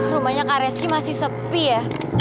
rumahnya kak reski masih sepi ya